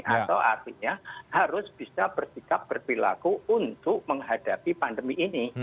atau artinya harus bisa bersikap berperilaku untuk menghadapi pandemi ini